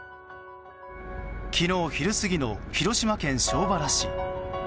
昨日昼過ぎの広島県庄原市。